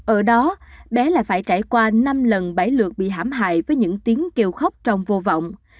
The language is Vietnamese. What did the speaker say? ở đó bé lại phải trải qua năm lần bảy lượt bị hãm hại với những tiếng kêu khóc trong vô vọng